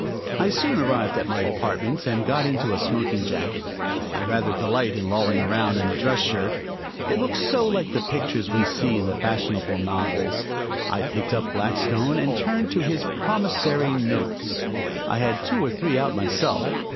I soon arrived at my apartments, and got into a smoking jacket. I rather delight in lolling around in a dress shirt; it looks so like the pictures we see in the fashionable novels. I picked up Blackstone and turned to his "promissory notes." I had two or three out myself.